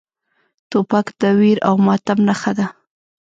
توپک د ویر او ماتم نښه ده.